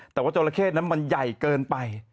แต่ว่าจราเข้นั้นมันใหญ่เกินไป